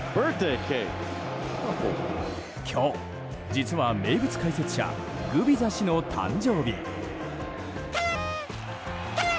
今日、実は名物解説者グビザ氏の誕生日。